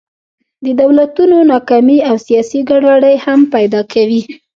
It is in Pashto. د دولتونو ناکامي او سیاسي ګډوډۍ هم پیدا کوي.